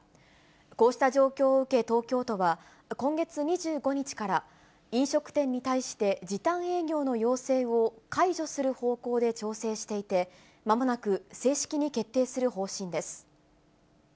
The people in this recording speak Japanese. こうした状況を受け東京都は、今月２５日から飲食店に対して、時短営業の要請を解除する方向で調整していて、まもなく正式に決定する方針です。